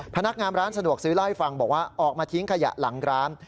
พนักงานร้านสะดวกซื้อเล่าให้ฟังบอกว่าออกมาทิ้งขยะหลังร้าน